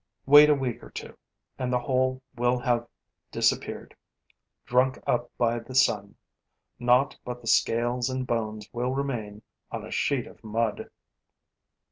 Wait a week or two; and the whole will have disappeared, drunk up by the sun: naught but the scales and bones will remain on a sheet of mud.